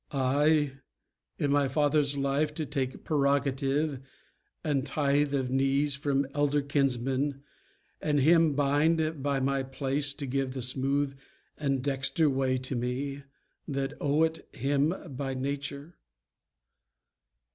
I, in my father's life, To take prerogative and tithe of knees From elder kinsmen, and him bind by my place To give the smooth and dexter way to me That owe it him by nature!